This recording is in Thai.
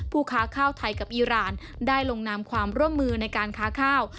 ค้าข้าวไทยกับอีรานได้ลงนามความร่วมมือในการค้าข้าว